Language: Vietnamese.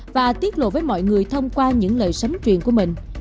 và tiết lộ với mọi người thông qua những lời sánh truyền của mình